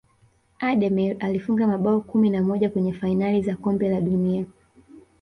ademir alifunga mabao kumi na moja kwenye fainali za kombe la dunia